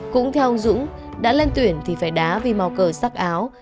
cũng theo ông dũng đã lên tuyển thì phải đá vì màu cờ sắc áo